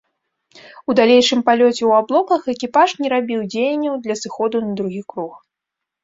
У далейшым палёце ў аблоках экіпаж не рабіў дзеянняў для сыходу на другі круг.